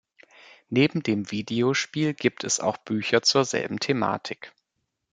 Neben dem Videospiel gibt es auch Bücher zur selben Thematik.